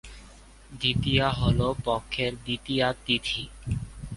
দ্বিতীয়া হল পক্ষের দ্বিতীয়া তিথি।